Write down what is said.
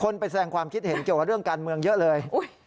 ไปแสดงความคิดเห็นเกี่ยวกับเรื่องการเมืองเยอะเลย